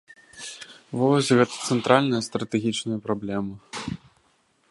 Вось гэта цэнтральная стратэгічная праблема.